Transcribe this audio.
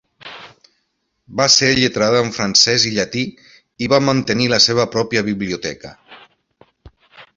Va ser lletrada en francès i llatí i va mantenir la seva pròpia biblioteca.